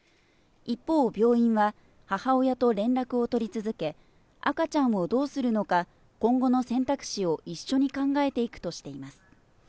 一方、病院は、母親と連絡を取り続け、赤ちゃんをどうするのか、今後の選択肢を一緒に考えていくとしています。